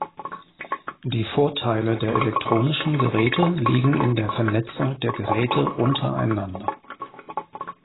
Die Vorteile der elektronischen Geräte liegen in der Vernetzung der Geräte untereinander.